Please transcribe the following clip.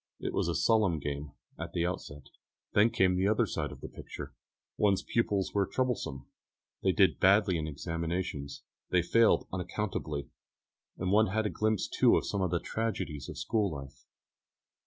It was a solemn game at the outset. Then came the other side of the picture. One's pupils were troublesome, they did badly in examinations, they failed unaccountably; and one had a glimpse too of some of the tragedies of school life.